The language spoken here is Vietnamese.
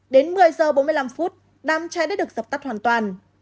đến một mươi h bốn mươi năm đám cháy đã được dập tắt hoàn toàn